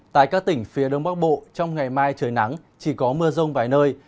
tại các tỉnh phía đông bắc bộ trong ngày mai trời nắng chỉ có mưa rông vài nơi